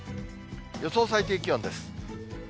予想最低気温です。